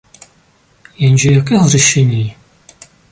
Jenže jakého řešení?